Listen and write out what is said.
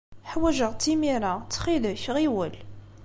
Ḥwajeɣ-tt imir-a. Ttxil-k, ɣiwel!